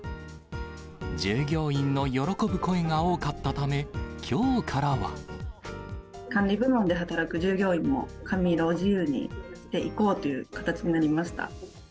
従業員の喜ぶ声が多かったた管理部門で働く従業員も、髪色を自由にしていこうという形になりました。